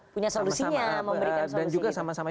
punya solusinya memberikan solusi